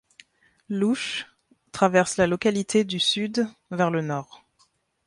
L’Ouche traverse la localité du sud vers le nord.